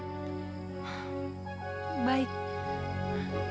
aku telah mengalahkan kiboy putih